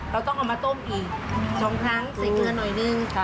ต้องเอามาต้มอีก๒ครั้งใส่เกลือหน่อยนึง